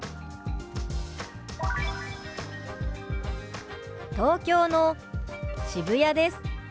「東京の渋谷です」。